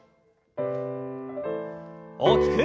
大きく。